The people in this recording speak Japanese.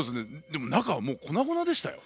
でも中はもう粉々でしたよ。